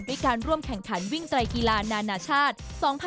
การร่วมแข่งขันวิ่งไตรกีฬานานาชาติ๒๕๖๒